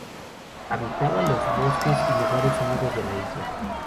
Habitaba los bosques y lugares húmedos de la isla.